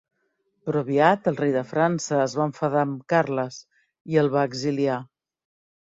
Però aviat el rei de França es va enfadar amb Carles i el va exiliar.